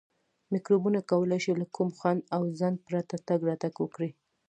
میکروبونه کولای شي له کوم خنډ او ځنډ پرته تګ راتګ وکړي.